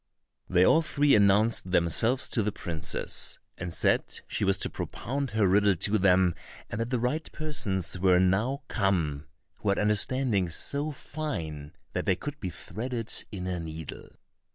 They all three announced themselves to the princess, and said she was to propound her riddle to them, and that the right persons were now come, who had understandings so fine that they could be threaded in a needle.